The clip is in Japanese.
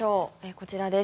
こちらです。